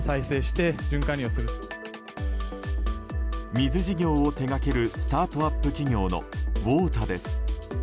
水事業を手掛けるスタートアップ企業のＷＯＴＡです。